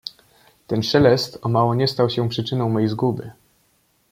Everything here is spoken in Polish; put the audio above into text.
"Ten szelest o mało nie stał się przyczyną mej zguby."